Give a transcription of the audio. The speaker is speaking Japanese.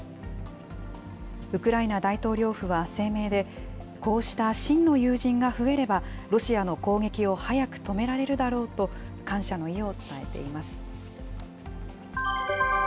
ウクライナ大統領府は声明で、こうした真の友人が増えれば、ロシアの攻撃を早く止められるだろうと、感謝の意を伝えています。